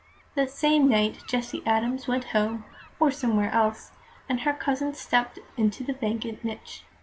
That same night Jessie Adams went home (or somewhere else), and her cousin stepped into the vacant niche.